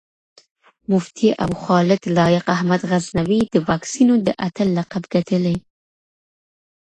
مفتي ابوخالد لائق احمد غزنوي د واکسينو د اتَل لقب ګټلی